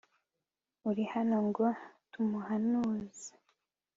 uri hano ngo tumuhanuze